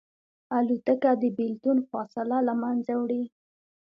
الوتکه د بېلتون فاصله له منځه وړي.